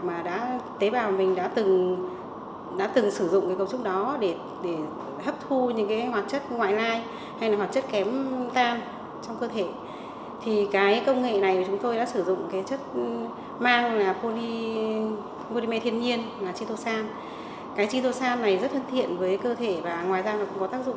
mà tế bào mình đã từng sử dụng cấu trúc đó để hấp thu những hoạt chất ngoại lai